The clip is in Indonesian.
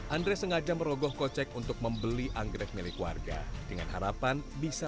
andre sengaja merogoh kocek untuk membeli anggrek milik warga dengan harapan bisa